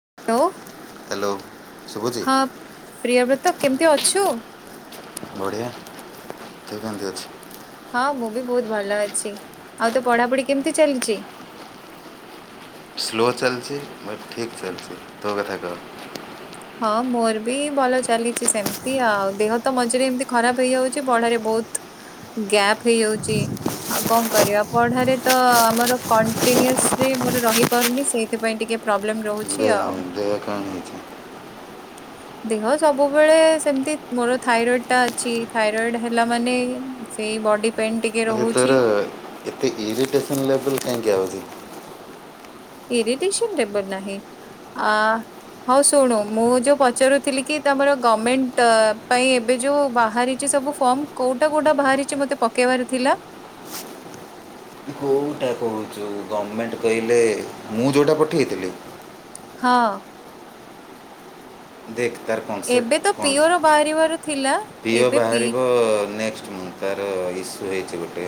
[unintelligible] Hello! ହଁ ପ୍ରିୟବ୍ରତ କେମିତି ଅଛୁ? ବଢିଆ। ତୁ କେମିତି ଅଛୁ? ହଁ ମୁଁ ବି ବହୁତ ଭଲ ଅଛି। ଆଉ ତୋ ପଢାପଢି କେମିତି ଚାଲିଚି? ହଁ ଭଲ ସ୍ଲୋ ଚାଲଛି ମ ଠିକ ଚାଲିଛି। ତୋ କଥା କହ। ହଁ ମୋର ବି ଭଲ ଚାଲିଚି ସେମତି ଆଉ। ଦେହ ତ ମଝିରେ ଏମତି ଖରାପ ହେଇଯାଉଛି। ପଢାରେ ବ ବହୁତ ଗ୍ୟାପ୍ ହେଇଯାଉଚି। ଆଉ କଣ କରିବା ପଢାରେ ତ ଆମର କଣ୍ଟିନ୍ୟୁସରି ମୋର ରହିପାରୁନି। ସେଇଥିପାଇଁ ଟିକେ ପ୍ରୋବ୍ଲେମ୍ ରହୁଛି ଦେ ଆଉ। ଦେହ କ'ଣ ହେଇଛି ଦେହ ସବୁବେଳେ ସେମିତି ମୋର ଥାଇରଏଡ୍ ଟା ଅଛି। ଥାଇରଏଡୂ ହେଲା ମାନେ ସେ ଏଇ ବଡି ପେନ୍ ଟି ଆ ଭିତରେ ଏତେ ଇରିଟେସନ୍ ଲେବଲ୍ କାଇଁକି ଆଉଚି? ଇରିଟେସନ୍ ଲେବଲ୍ ନାହିଁ। ଆ ହଉ ଶୁଣୁ ମୁଁ ଯୋଉ ପଚାରୁଥିଲି କି ତୋମର ଗମେଣ୍ଟ ପାଇଁ ଏବେ ଯୋଉ ବାହାରିଚି ସବୁ ଫର୍ମ କୋଉଟା କୋଉଟା ବାହାରିଛି ମତେ ପକେଇବାର ଥିଲା [unintelligible] କେଉଁଟା କହୁଛୁ ଗଭର୍ଣ୍ଣମେଣ୍ଟ କହିଲେ ମୁଁ ଯେଉଁଟା ପଠେଇଥିଲି। ହଁ ଦ୍ଖ୍ ତାର ଏବେ କନ୍ସେଟ୍ ତ କଣ ପିଓର ବାହାରିବାର ଥିଲା ଅଛି ଦିଅ ଏବେ ପି ବାହାରିବ ନେକ୍ସଟ ମୁ ତାର ଇସୁ ହେଇଛି ଗୋଟେ।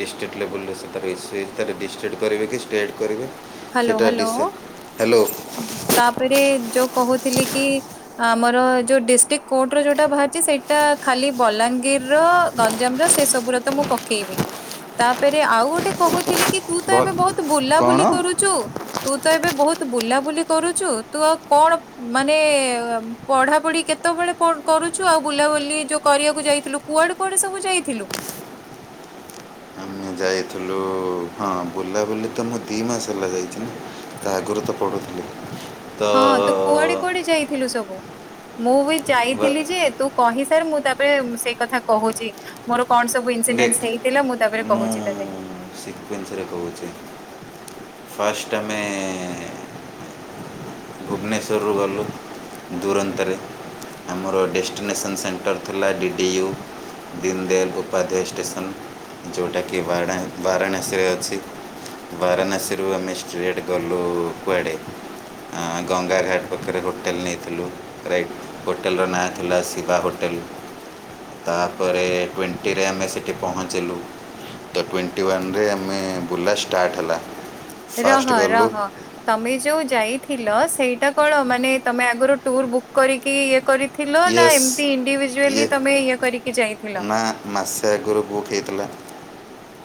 ଡିଷ୍ଟ୍ରିକ୍ଟ୍ ଲେବୁଲ୍ରେ ସେ ତାର ଇସ୍ୟୁ ହେଇଛି ଡିଷ୍ଟ୍ରିକ୍୍ଟ କରିବେ କି ଷ୍ଟେଟ୍ କରିବେ ହାଲୋ ସେଇଟା ହାଲୋ ଡିସେ ହ୍ୟାଲୋ ତାପରେ ଯୋଉ କହୁଥିଲି କି ଆମର ଯୋଉ ଡିଷ୍ଟ୍ରିକ୍ଟ କୋର୍ଟ ର ଯୋଉଟା ବାହାରିଛି ସେଇଟା ଖାଲି ବଲାଙ୍ଗୀର ଲାଙ୍ଗୀର ର ଗଞ୍ଜାମ ର ସେ ସବୁର ର ତ ମୁଁ ପକେଇବି ତାପରେ ଆଉ ଗୋଟେ କହୁ ଥିଲି କି ତୁ ତ ଏବେ ବହୁତ କଣ ବୁଲାବୁଲି ତୁ କରୁଛୁ। ତ ଏବେ ବହୁତ ବୁଲାବୁଲି କରୁଛୁ ତୁ ଆଉ କଣ ମାନେ ପଢ଼ୁ ପଢ଼ା ପଢ଼ି କେତେବେଳେ କଣ କରୁଛୁ ଆଉ ବୁଲାବୁଲି ଯୋଉ କରିବାକୁ ଯାଇଥିଲୁ କୁଆଡ଼େ କୁଆଡ଼େ ସବୁ ଯାଇଥିଲୁ। ଆମ ଯାଇ ବୁଲାବୁଲି ତ ମୁଁ ଦି ମାସ ହେଲା ଯାଇଛି ନା ତା ଆଗରୁ ତ ପଢ଼ୁଥିଲି। ତ ହଁ ତୁ କୁଆଡେ କୁଆଡେ ଯାଇଥିଲୁ ସବୁ ମୁଁ ବି ବା- ଯାଇଥିଲି ଯେ ତୁ କହି ସାର୍ ମୁଁ ତାପରେ ସେଇ କଥା କହୁଛି ମୋର କଣ ସବୁ ଦେଖ ଇନସିଡେନ୍ସ ହେଇଥିଲା ମୁଁ ତାପରେ କହୁଛି ତତେ। ସିକ୍ୱେନ୍ସରେ କହୁଛେ ଫାଷ୍ଟ ଆମେ ଭୁବନେଶ୍ଵରରୁ ଗଲୁ ଦୁରନ୍ତରେ ଆମର ଡେଷ୍ଟିନେସନ୍ ସେଣ୍ଟର ଥିଲା D D U Deendayal Upadhyay station ଯେଉଁଟାକି ବାଡା ବାରାଣାସୀରେ ଅଛି। ବାରନାସୀରୁ ଆମେ ଷ୍ଟ୍ରେଟ ଗଲୁ କୁଆଡ଼େ ନା ଗଙ୍ଗା ଘାଟ ପାଖରେ ହୋଟେଲ୍ ନେଇଥିଲୁ ରାଇଟ୍ ହୋଟେଲର ନାଁ ଥିଲା ଶିବା ହୋଟେଲ୍। [inaudible] ତାପରେ ଟ୍ୱେଣ୍ଟିରେ ଆମେ ସେଠି ପହଞ୍ଚିଲୁ ତ ଟ୍ୱେଣ୍ଟି ଟ୍ୱେଣ୍ଟି ୱାନରେ ଆମେ ବୁଲା ଷ୍ଟାର୍ଟ ହେଲା। ରହ ଫାର୍ଷ୍ଟ ଗଲୁ ରହ ତମେ ଯୋଉ ଯାଇଥିଲ ସେଇଟା କଣ ମାନେ ତମେ ଆଗରୁ ଟୁର୍ ବୁକ୍ କରିକି ଇଏ କରି ଥିଲ ନା ୟେସ୍ ଏମିତି ଇଏ ଇଣ୍ଡିଭିଜୁଆଲି ତମେ ଇଏ କରିକି ଯାଇଥିଲ। [inaudible] ନା ମାସେ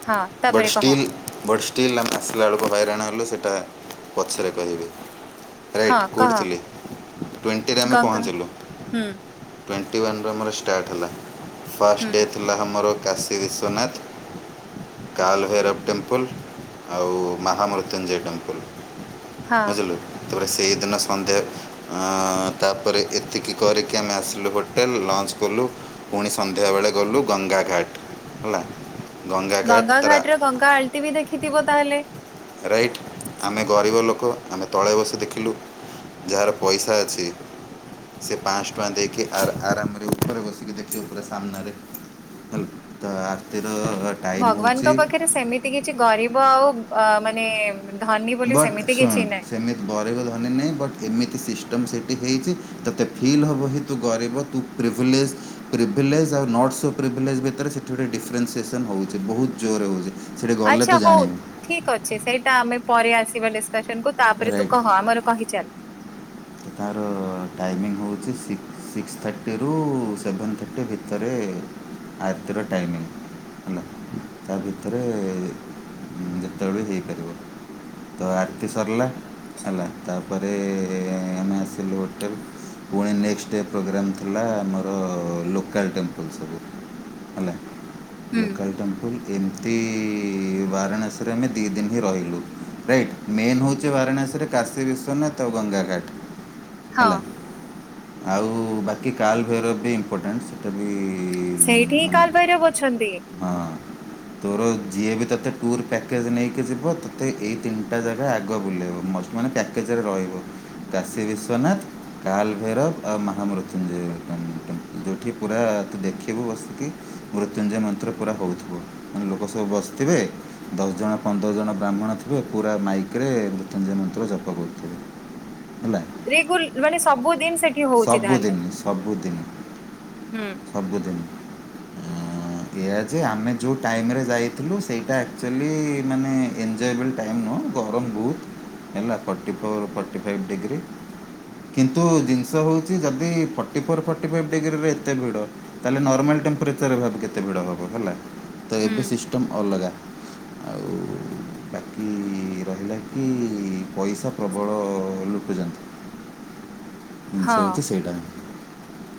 ହଁ ବଟ ତାପରେ କହ ଷ୍ଟିଲ୍ ବଟ ଷ୍ଟିଲ୍ ଆମେ ଆସିଲା ବେଳକୁ ବାଇରାଣ ହେଲୁ ସେଇଟା। ପଛରେ କହିବି। ହଁ ରାଇଟ୍ କହ କୋଉଠି ଥିଲି ଟ୍ୱେଣ୍ଟିରେ ଆମେ ଗଙ୍ଗା ପହଞ୍ଚିଲୁ। ହୁଁ ଟ୍ୱେଣ୍ଟି ୱାନ୍ର ଆମର ଷ୍ଟାର୍ଟ ହେଲା ଫାଷ୍ଟ ହୁଁ ଡେ ଥିଲା ଆମର। କାଶୀ ବିଶ୍ୱନାଥ୍ କାଲଭୈରବ ଟେମ୍ପଲ୍ ଆଉ ମହା ମୃତ୍ୟୁଞ୍ଜୟ ଟେମ୍ପଲ୍ ହଁ ବୁଝିଲୁ। ପରେ ସେଇଦିନ ସନ୍ଧ୍ୟା ତାପରେ ଏତିକି କରିକି ଆମେ ଆସିଲୁ ହୋଟେଲ। ଞ୍ଚ କଲୁ ପୁଣି ସନ୍ଧ୍ୟାବେଳେ ଗଲୁ ଗଙ୍ଗା ଘାଟ୍ ହେଲା ଗଙ୍ଗା ଘାଟ୍ ଘାଟ୍ରେ ଗଙ୍ଗା ଆଳତୀ ବି ଦେଖିଥିବ ତାହେଲେ। ରାଇଟ୍ ଆମେ ଗରିବ ଲୋକ ଆମେ ତଳେ ବସି ଦେଖିଲୁ। ଯାହାର ପଇସା ଅଛି ସେ ପାଆଂଶ ଟଙ୍କା ଦେଇକି ଆର୍ ଆରାମରେ ଉପରେ ବସିକି ଦେଖି ଉପରେ ସାମ୍ନାରେ। ହେଲ ତ ଆରତିର ଭଗବାନଙ୍କ ପାଖରେ ସେମିତି କିଛି ଗରିବ ଆଉ ଅ ମାନେ। ଧନୀ ବୋଲି ବଟ୍ ସେମିତି ଶୁଣୁ କିଛି ନାହିଁ ସେମିତି ବରେବ ଧନୀ ନାହିଁ ବଟ୍ ଏମିତି ସିଷ୍ଟ ସିଷ୍ଟମ୍ ସେଠି ହେଇଚି ତତେ ଫିଲ୍ ହବ ହି ତୁ ଗରିବ ତୁ ପ୍ରିଭିଲେସ ପ୍ରିଭିଲେଶ୍ ଆଉ ନଟ୍ ସୋ ପ୍ରିଭିଲାଇଜ୍ ଭିତରେ ସେଠି ଗୋଟେ ଡିଫରେନ୍ସିଏସନ ହଉଛି ବହୁତ ଜୋରରେ ହଉଛି। ଆଚ୍ଛା ହଉ ଠିକ ଅଛି ସେଇଟା ଆମେ ପରେ ଆସିବା ଡିସକସନ କୁ ତାପରେ ତୁ ରାଇଟ୍ କହ ଆମର କହିଚାଲ। ଟାଇମିଙ୍ଗ ହେଉଛିିକ ସିକ୍ସ ସିକ୍ସ ଥାର୍ଟିରୁ ସେଭେନ୍ ଥାର୍ଟି ଭିତରେ ଆରତିର ଟାଇମିଂ ହେଲା ତା ଭିତରେ ହୁଁ ଯେତେବେଳେ ହେଇପାରିବ। ତ ଆରତି ସରିଲା ହେଲା ତାପରେ ଆମେ ଆସିଲୁ ହୋଟେଲ ପୁଣି ନେକ୍ସଟ ଡେ ପ୍ରୋଗ୍ରାମ୍ ଥିଲା ଆମର ଲୋକାଲ୍ ଟେମ୍ପଲ୍ ସବୁ। ହେଲା ହୁଁ ଲୋକଲ ଟେମ୍ପୁଲ ଏମତି ଇ ବାରାଣାସୀରେ ଆମେ ଦିଇ ଦିନ ହିଁ ରହିଲୁ ରାଇଟ୍ ମେନ୍ ହେଉଛି ବାରାଣା ଦେଶରେ କାଶୀ ବିଶ୍ୱନାଥ ଆ ଗଙ୍ଗାଘାଟ ହଁ। ଆଉ ବାକି କାଲଭେର ବି ଇମ୍ପୋର୍ଟାଣ୍ଟ ସେଇଟା ବି ସେଇଠି ହିଁ ମାନେ କାଲବୈରବ ଅଛନ୍ତି। ହଁ ତୋର ଯିଏ ବି ତୋତେ ଟୁର୍ ପ୍ୟାକେଜ୍ ନେଇକି ଯିବ ତୋତେ ଏଇ ତିନିଟା ଜାଗା ଆଗ ବୁଲାଇବ ମଷ୍ଟ ମାନେ ପ୍ୟାକେଜରେ ରହିବ। କାଶୀ ବିଶ୍୍ୱନାଥ କାଲ ଭୈରବ ଆଉ ମହା ମୃତ୍ୟୁଞ୍ଜୟ ଯୋଉଠି ପୁରା ତୁ ଦେଖିବୁ ବସିକି ମୃତ୍ୟୁଞ୍ଜୟ ମନ୍ତ୍ର ପୁରା ହଉଥିବ ମାନେ ଲୋକ ସବୁ ବସିଥିବେ ଦଶ ଜଣ ପନ୍ଦର ଜଣ ବ୍ରାହ୍ମଣ ଥିବେ ପୁରା ମାଇକରେ ମୃତ୍ୟୁଞ୍ଜୟ ମନ୍ତ୍ର ଜପ କରୁଥିବେ। ହେଲା ରେଗୁ ମାନେ ସବୁଦିନ ସେଠି ହଉଛି ତାହେଲେ ସବୁଦିନ ସବୁଦିନ ହୁଁ ସବୁଦିନ [unintelligible] ଏହା ଯେ ଆମେ ଯେଉଁ ଟାଇମେ ଯାଇଥିଲୁ ସେଇଟା ଆକ୍ଚୁଆଲି ମାନେ ଏଞ୍ଜୟବଲ୍ ଟାଇମ୍ ନୁଁ ଗରମ ବୋହୁତ ହେଲା forty four forty five degree କିନ୍ତୁ ଜିନ ଷ ହେଉଛି ଯଦି ଫର୍ଟି ଫୋର୍ ଫର୍ଟି ଫାଇଭ୍ ଡିଗ୍ରୀରେ ଏତେ ଭି ତାହେଲେ ନର୍ମାଲ୍ ଟେମ୍ପରେଚରରେ ଭାବ କେତେ ଡ଼ ଭିଡ଼ ହବ ହେଲା। ହୁଁ ଏବେ ସିଷ୍ଟମ ଅଲଗା। ଆଉ [unintelligible] ବାକି ରହିଲା କି ପଇସା ପ୍ରବଳ ଲୁଟୁଛନ୍ତି। [unintelligible] ହଁ ସବଛି ସେଇଟା।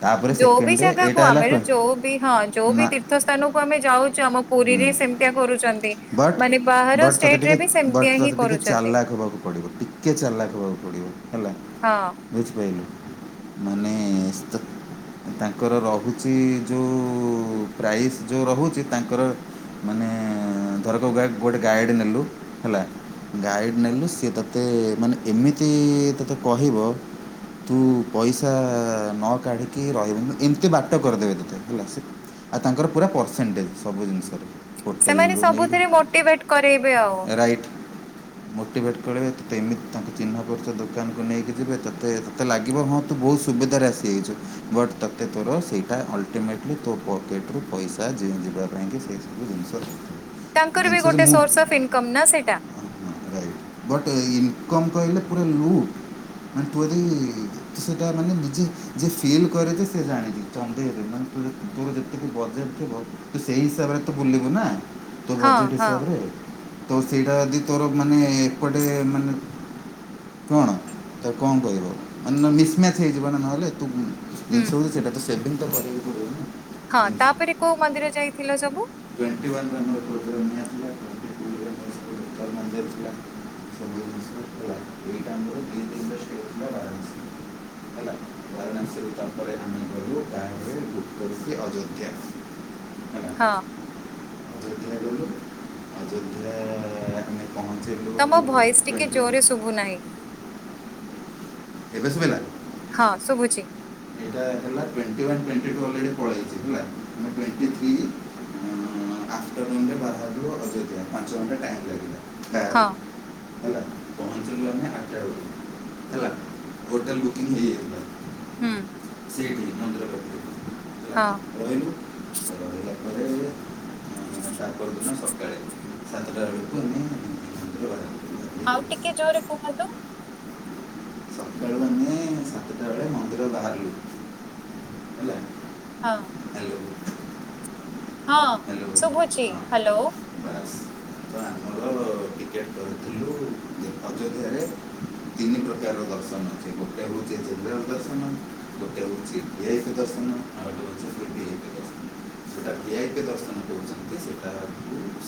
ତାପରେ ଯୋଉ ବି ସେକେଣ୍ଡ ଡେ ଏଇଟା ଜାଗାକୁ ହେଲା ଆମେର ଟ୍ୱେ ଯୋଉ ବି ହଁ ଯୋଉ ନା ବି ତୀର୍ଥ ସ୍ଥାନକୁ ଆମେ ଯାଉଛୁ ଆମ ପୁରୀରେ ହୁଁ ସେମିତିଆ କରୁଛନ୍ତି ବଟ୍ ମାନେ ବାହାର ବଟ୍ ତୋତେ ଷ୍ଟେଟ ରେ ଟିକେ ବି ବଟ୍ ସେମିତିଆ ହିଁ ତୋତେ ଟିକେ ଚାରି କରୁଛନ୍ତି ଲାଖ ହେବାକୁ ପଡିବ ଟିକେ ଚାର ଲଖ ହେବାକୁ ପଡ଼ିବ ହେଲା। ହଁ। ରୁଚ ପାଇାଇିଲ ମାନେ ତାଙ୍କର ରହୁଛି ଯେଉଁ ପ୍ରାଇସ୍ ଯେଉଁ ରହୁଛି ତାଙ୍କର ମାନେ ଧରକ ଗ ଗୋଟେ ଗାଇଡ ନେଲୁ ହେଲା ଗାଇଡ଼ ନେଲୁ ସି ତୋତେ ମାନେ ଏମିତି ତୋତେ କହିବ ତୁ ପଇସା ନ କାଢିକି ରହିବୁ ଏମିତି ବାଟ କରିଦେବେ ତୋତେ ହେଲା ସେ ଆଉ ତାଙ୍କର ପୁରା ପରସେଣ୍ଟେଜ ସବୁ ଜିନିଷରେ ସେମାନେ ହୋଟେଲରୁ ନେଇ ସବୁଥିରେ ମୋଟିଭେଟ କରରୋଇବେ ଆଉ। ରାଇଟ୍ ମୋଟିଭେଟ୍ କରେଇବେ ତୋତେ ଏମିତି ତାଙ୍କ ଚିହ୍ନ ପରିଛ ଦୋକାନକୁ ନେଇକି ଯିବେ ତୋତେ ତତେ ଲାଗିବ ହଁ ତୁ ବ ସୁବିଧ ଆସିଯ ବଟ ତତେ ତୋର ସେଇଟା ଅଲଟିମେଟଲି ତୋ ପକେଟୁ ପଇସା ଁ ହଁ ବା ଆଙ୍କଞି ସେଇସବୁ ଜିନିଷ ତାଙ୍କର ବି ଜିନିଷ ଗୋଟେ ମୁ ସୋର୍ସ ଅଫ୍ ଇନକମ ନା ସେଇଟା। ବଟ ଇନକମ୍ କହିଲେ ପୁରା ଲୁଟ ମାନେ ତୋରି ସେଟା ମାନେ ନିଜେ ଯଏ ଫିଲ୍ କରେଛ ସେ ଜାଣିଛି ତେ ତୋର ଯେତେକି ବଜେଟ ଥିବ ତୁ ସେଇ ହିସାବରେ ତ ବୁଲିବୁ ନା। ତୋ ହଁ ବଜେଟ୍ ହଁ ହିସାବରେ। ତ ସେଇଟା ଯଦି ତୋର ମାନେ ଏପଟେ ମାନେ କଣ ତା କ ଣ କହିବ ମାନେ ମିସମ୍ୟାଚ୍ ହେଇଯିବ ନା ନହେଲେ ତୁ ହୁଁ ଜିନିଷ ହଉଛି ସେଇଟା ତ ସେ ତ କରିବି ପଡିବନା। ହଁ ତାପରେ କୋଉ ମନ୍ଦିର ଯାଇଥିଲ ସବୁ? ଟଣ୍ଟି ଜ୍ର ଜ ମନ୍ଦ [inaudible] [unintelligible] ହେଲା କାରଣ ସେ ତାପରେ ଆମେ ଗଲୁ ତାରେ ବୁ କରୁଛି ଅଯୋଧ୍ୟା। ହ। ହେଲା ହଁ। ଅଯୋଧ୍ୟା ରୁ ଗ ଅଯୋଧ୍ୟା ଏଖ ପହଞ୍ଚ ତମ ଭଏସ ଟିକେ ଜୋରେ ଶୁଭୁ ନାହିଁ। [inaudible] ହଁ ଶୁଭୁଛି। ଏଟା ହେଲା ଟ୍ରୋଣି ଉଅନେ ତେଟିଥି କି ପଳେଇଚି। ଆଫ୍ଟରନୁନରେ ବହାରୁ ଅଯୋଧ୍ୟ ପାଞ୍ଚ ଘଣ୍ଟା ଟାଇମ୍ ଲାଗିଲା। ହଁ। ହେଲା ପହଞ୍ଚିଲ ଆମେ ଆଠଟାେଳ ହେଲା ହୋଟେଲ ବୁକିଂ ହେଇଯାଇଥିଲା। ହୁଁ। ସେିଇଠ ମନ୍ଦରପଟରୁ ହେଲା ହଁ। ରହିଲୁ ରିଲ [inaudible] ତା ପରଦିନ ସକାଳେ ସାତଟା ବେଳକୁ ଆମେ ମରେ ବାହାରୁ ଆଉ ଟିକେ ଜୋରେ କୁହନ୍ତୁ। ସତକାଳେ ତାନେ ସତତା ଆଳେ ମନ୍ଦିର ବାହାରିଲୁ ହେଲା। ହଁ। ହ୍ୟାଲୋ। ହଁ ଶୁଭୁଛି ହ୍ୟାଲୋ ହ୍ୟାଲୋ। [inaudible] ଟିକେଟ କରିଥିଲୁ ଅଯୋଧ୍ୟାରେ ତିନି ପ୍ରକାର [inaudible] ଗୋଟେ ବଚେ ଜଲ ଦ ଗୋଟେ ବଚିଇକ ଦ ଆଉ [inaudible] ସେଟା ଭଆଇ ପ ଦର୍ଶନ କହୁଛନ୍ତି ସେଟା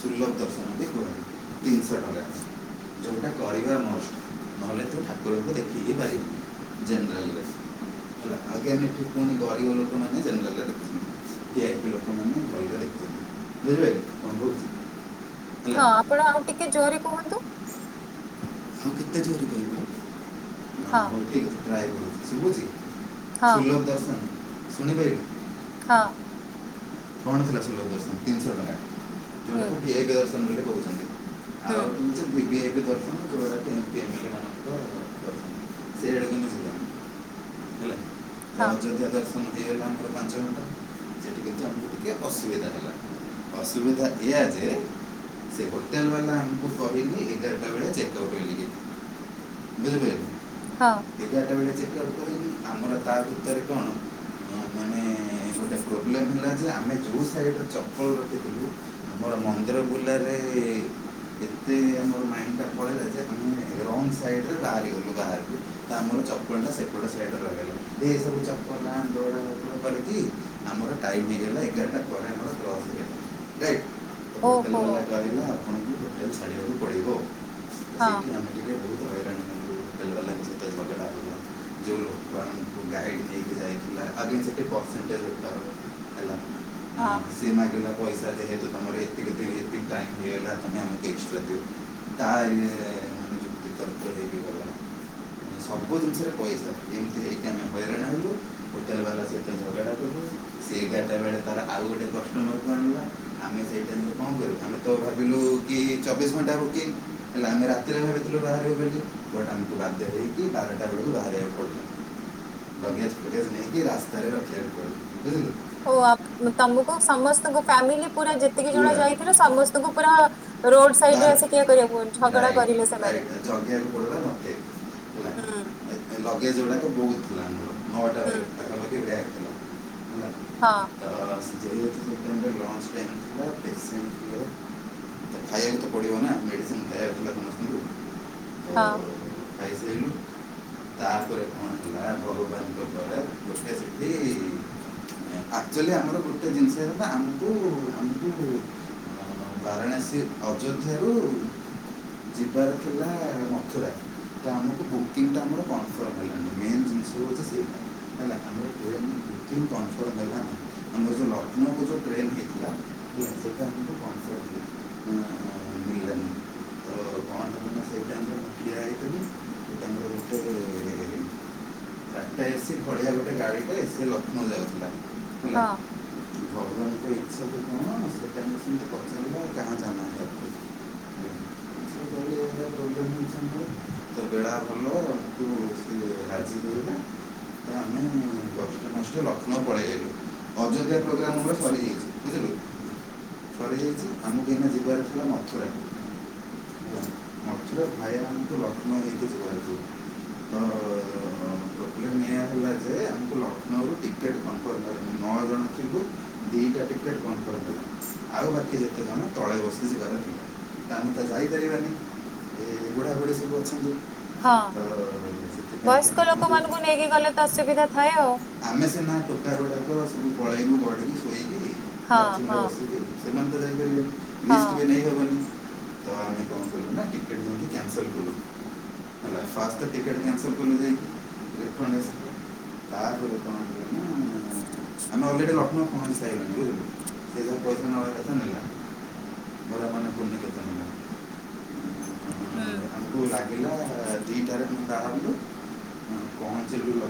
ସୁଲଭ ଦର୍ଶନ ବି କୁହ ତିନି [inaudible] ଯୋଉଟା କରିବା ମଷ୍ଟ ନହେଲେ ତୁ ଠାକୁରଙ୍କୁ ଦେଖ ଏ ଜନରଲରେ। ହେଲା [inaudible] ଗରିବ ଲୋକ ନାହାନ୍ତି ଯେନେ ରାଲାରେ। ଭି ଆଇପି ଲୋକମାନେ [inaudible] ହଁ ଆପଣ ଆଉ ଟିକେ ଜୋରରେ କୁହନ୍ତୁ। ଆଉ କେତେ ଜୋର କରିବ ନା ହଁ ହଉ ଠିକ ଅଛି ଟ୍ରାଏ କର ଶୁଛି ହଁ ସୁଲଭ ଦର୍ଶନ ଶୁଣିପାରିବେ। ହଁ। କଣ ଥିଲା ସୁଲ ଦର୍ଶନ ତିନିଶହ ଟଙ୍କା ହୁଁ ଯୋଉଟାକୁ କିଏ ଦର୍ଶନ ବୋଲିୋେ କହୁଛନ୍ତି। ହୁଁ ଆଉ [inaudible] [inaudible] ହଁ ହେଲା [unintelligible] ଟିକେ ଅସୁବିଧା ହେଲା ଅସୁବିଧା ଏହାଇ ଯେ ସେ ହୋଟେଲ ବାଲା ଆମକୁ ସିଲି ଏାରା ବଳେ ଚ ବେଳେ ବେଲେ ହଁ ଏଗଟା ବଳେଛ। ଆମର ତା ଭିତରେ କଣ ମାନେ ଗୋଟେ ପ୍ରୋବ୍ଲେମ ହେଲା ଯେ ଆମେ ଯେଉଁ ସାଇଡ଼ ଚପଲ ରଖିଥିଲୁ ଆମର ମନ୍ଦିର ବୁଲାରେ ଏତେ ଆମର ମା ପଳେଇେ ଯେ ରଙ୍ଗ ସାଇଡରେ ବାହାରିଲୁ ବା ତା ଚପଲ ଟା ସେପଟ ସ ଲଗେଇ ଏ ସବୁ ଚପଲ ଦୋଡ କରିକି ଆମର ଟ [inaudible] ଜଣ୍ଡ ପ୍ରସ ରାଇ ପୋଟଲ ଓହୋ ବଲା କାରିନ ଆପଣଙ୍କୁ ହୋଟେଲ ଛାଡ଼ିବାକୁ ପଡ଼ିବ ତ ହଁ ସେଇଠି ଆମେ ଟିକେ ବହୁତ ହଇରାଣ [inaudible] ଯୋଉ ଲୋକ ଗାଇଡ ନେଇକି ଯାଇଥିଲା ଆଗ ସେ ହେ ହଁ ସିମା ପଇସା ଯେହେତୁ ତୁମର ଏତିକି ଏତିକ ଟାଇମ୍ ଏଗଲା ତୁମେ ଆମକୁ ଏକ୍ସ୍ରା ଦିଅ। ତାାରଯୁକ୍ତି ତନ୍ତ ହେଇକ ସବୁ ଜିନିଷରେ ପଇସା ଏମିତି ହେଇକି ଆମେ ହଇରାଣ ହେବୁ ହୋଟେଲ ବାଲା ସହିତ ଝଗଡ଼ା କଲୁ। [inaudible] ତାର ଆଉ ଗୋଟେ ପ୍ରଶ୍ନ ନ ଆଣିଲା ଆମେ ସେଇ ଟାଇମ କଣ କରୁ ଆମେ ତ ଭାବିଲୁ କି ଚବିଶ ଘଣ୍ଟ ହେଲେ ଆମେ ରାତିରେ ଭାବିଥିଲୁ ବାହାରଟାକୁ ବାଧ୍ୟ ହେଇକି ବାରଟା ବେଳକୁ ବା [unintelligible] ବଗଜ ଫଗଜ ନେଇକି ରାସ୍ତାରେ ରଖିବାକୁ ପଡିବ ବୁଝିଲୁ। ହ ତମକୁ ସମସ୍ତଙ୍କୁ ଫ୍ୟାମିଲି ପୁରା ଯେତିକି ଜଣ ପୁରା ଯାଇଥିଲେ ସମସ୍ତଙ୍କୁ ପୁରା ରୋଡ ସାଇଡ ରେ ଆସ ଠୀଆ କରିବାକୁ ଝଗଡା କରିଲେ ରାଇଟ ସେମାନେ ରାଇଟ ଜଗିବାକୁ ପଡିଲା ହୁଁ ମତେ ଲଗେଜ ଗୁଡାକ ବଥିଲା ନଟା ହୁଁ ହୁଁ ପାଖାପାଖି ବାଗ ଥିଲା। ହଁ [inaudible] [inaudible] ଖାଇବାକୁ ତ ପଡ଼ିବ ନା ମେଡ଼ିସିନ୍ ଖାଇବାକୁ ଥିଲା କୌଣସି ହଁ। ତାପରେ କଣ ହେଲା ଭଗବାନଙ୍କ ଦଳେ ଗୋଟେ ସେଠି ଆଚୁଆଲି ଆମର ଗୋଟେ ଜିନିଷ ହେଲା ଆମକୁ ଆମକୁ ବାରାଣାସୀ ଅଯୋଧ୍ୟାରୁ ଯିବାର ଥିଲା ନଥିଲା। ଆମକୁ ବୁକିଂ ଟା ଆମର କନଫରମ ହେଲାନି। ମେନ୍ ଜି ହେଲା ଆମରେ [inaudible] ଆମର ଯୋଉ ଲକ୍ଷ୍ନ କ ଯୋଉ ଟ୍ରେନ ହେଇଥିଲା [inaudible] ମିଳିଲାନି ତ କ'ଣ ହେବ ନା ସେଇ ଟାଇମ୍ରେ [unintelligible] [inaudible] ଟାଟା ଏସି ଭଳିଆ ଗୋଟେ ଗାଡି କଲେ ସେ ଲକ୍ଷ୍ନୌ ଯାଉଥିଲା। ହଁ। ସବୁ କଣ ମୁଁ ସେଟା ସତି ପଚାର ଆଉ କାହା ଜାନା ସେ କହିଲେ [unintelligible] ତ ବେଳା ଭଲ ତୁ ହଜି ଦେବନା ଲକ୍ଷ୍ନୌ ପଳେଇଲୁ ଅଯୋଧ୍ୟାରେ [inaudible] ସରିଯାଇଛି ବୁଝିଲୁ ସରିଯାଇଛି [inaudible] [inaudible] ଲକ୍ଷ୍ନ ନାଇକି ଯିବାର ଥିଲା। [inaudible] ତ ପ୍ରୋବ୍ଲେମଇ ହେଲା ଯେ ଆମକୁ ଲକ୍ଷ୍ନୌରୁ ଟିକେଟ କନଫର୍ମ ନଅ ଜଣ ଙ୍କୁୁ ଦୁଇଟା ଟିକେଟ୍ କନଫୋରମ୍ ହେଲା ଆଉ ବାକି ଯେତେ ଜଣ ତଳେ ବସି ଯିବାର ନା ଆମେ ତା ଯାଇପାରିବାନି ଏ ବୁଢ଼ାବୁଢ଼ୀ ସବୁ ଅଛନ୍ତି। ହଁ ତ ସେଥିପାଇଁ କି ବୟସ୍କ ଦେଖନ୍ତୁ ଲୋକମାନାନଙ୍କୁ ନେଇକି ଗଲେ ତ ଅସୁବିଧା ଥାଏ ଆଉ। ଆମେ ସିନା ଟୋକା ଗୁଡାକ ସବୁ ପଳେଇବୁ ହଁ ଶୋଇବୁ [inaudible] ହଁ ବସିକି ସେମାନେ ତ ଯାଇକ ହଁ ରିସ୍କି ବି ନେଇ ହେବନି। ଆମେ କଣ କଲୁ ନା ଟିକେଟ କ୍ୟାନ୍ସଲ କଲୁ। ହୁଁ ଫାର୍ଷ୍ଟ ଟିକେଟ କ୍ୟା ହୁଁ। ତା କଣ ଆମେ ଅଲରେଡି ଲକ୍ଷ୍ମ [unintelligible] ସେ [inaudible] ଭରା ମାନେ ପୁଣି କେତେ ନେଲା ହୁଁ। ପିଲା ଦିଇଟାରେ ମୁଁ ବାହାରିଲୁ ପହଞ୍ଚିଲୁ ଲ